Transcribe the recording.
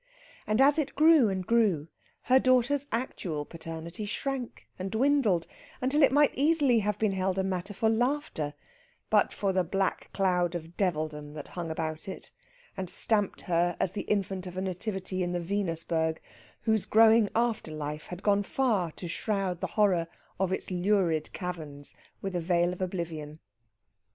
And as it grew and grew, her child's actual paternity shrank and dwindled, until it might easily have been held a matter for laughter, but for the black cloud of Devildom that hung about it, and stamped her as the infant of a Nativity in the Venusberg, whose growing after life had gone far to shroud the horror of its lurid caverns with a veil of oblivion.